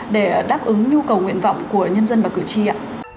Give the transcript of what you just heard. để đáp ứng nhu cầu nguyện vọng của nhân dân và cử tri ạ